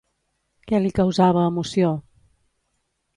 Què li causava emoció?